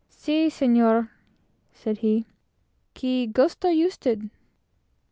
"Si Señor!" said he. "Que gusta usted?"